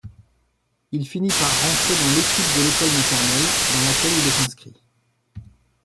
Il finit par rentrer dans l'équipe de l'école maternelle dans laquelle il est inscrit.